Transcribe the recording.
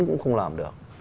cũng không làm được